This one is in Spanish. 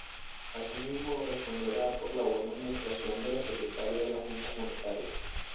Asimismo, responderá por la buena administración de la Secretaría de la Junta Monetaria.